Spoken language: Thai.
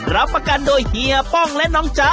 รับประกันโดยเฮียป้องและน้องจ๊ะ